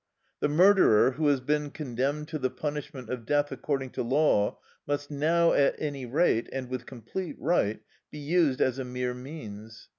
The murderer who has been condemned to the punishment of death according to law must now, at any rate, and with complete right, be used as a mere means.